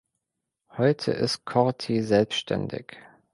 Heute ist Corti selbstständig.